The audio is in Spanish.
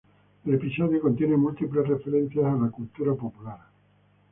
El episodio contiene múltiples referencias a la cultura popular.